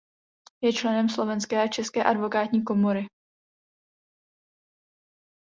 Je členem Slovenské a České advokátní komory.